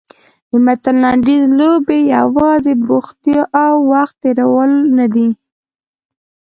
د متن لنډیز لوبې یوازې بوختیا او وخت تېرول نه دي.